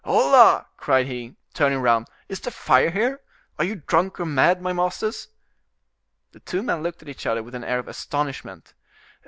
"Hola!" cried he, turning round, "is the fire here? Are you drunk or mad, my masters?" The two men looked at each other with an air of astonishment.